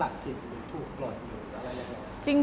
เราสลัดสิทธิ์หรือถูกปลดอยู่แล้วอะไรอย่างนี้